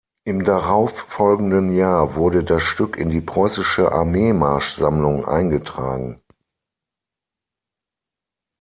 Im darauffolgenden Jahr wurde das Stück in die preußische Armeemarschsammlung eingetragen.